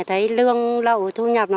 thấy lương lậu thu nhập